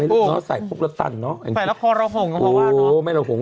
ไปแล้วคอเราห่ง